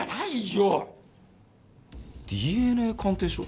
ＤＮＡ鑑定書？